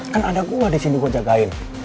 kan ada gua disini gua jagain